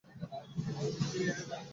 আমার টুপিটা তুলে দেবে?